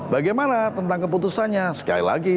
bagaimana tentang keputusannya sekali lagi